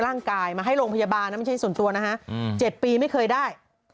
ร่างกายมาให้โรงพยาบาลนะไม่ใช่ส่วนตัวนะฮะ๗ปีไม่เคยได้